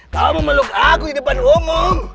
kamu meluk aku di depan omong